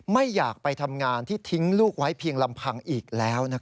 ไม่อยากไปทำงานที่ทิ้งลูกไว้เพียงลำพังอีกแล้ว